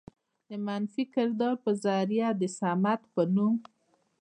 د منفي کردار په ذريعه د صمد په نوم